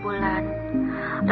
alhamdulillah saya nggak perlu kerja